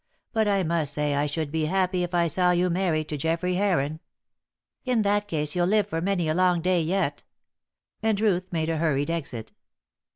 But I must say I should be happy if I saw you married to Geoffrey Heron." "In that case you'll live for many a long day yet." And Ruth made a hurried exit.